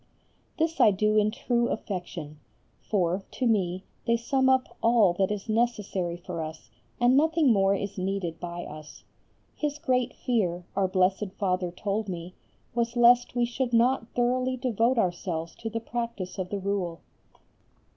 This I do in true affection, for, to me they sum up all that is necessary for us and nothing more is needed by us. His great fear, our Blessed Father told me, was lest we should not thoroughly devote ourselves to the practice of the Rule.